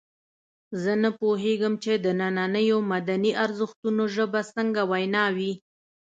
زه نه پوهېږم چې د نننیو مدني ارزښتونو ژبه څنګه وینا وي.